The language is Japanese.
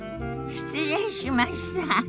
失礼しました。